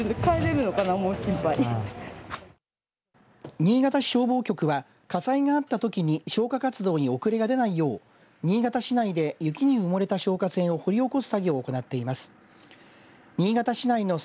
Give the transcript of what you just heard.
新潟市消防局は火災があったときに消火活動に遅れが出ないよう新潟市内で雪に埋もれた消火栓を掘り起こす作業を行っています。